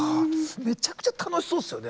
めちゃくちゃ楽しそうですよね